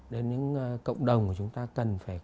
đến những cộng đồng của chúng ta cần phải